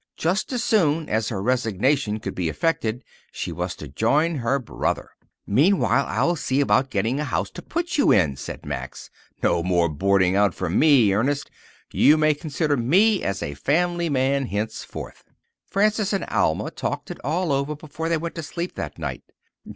Just as soon as her resignation could be effected, she was to join her brother. "Meanwhile, I'll see about getting a house to put you in," said Max. "No more boarding out for me, Ernest. You may consider me as a family man henceforth." Frances and Alma talked it all over before they went to sleep that night.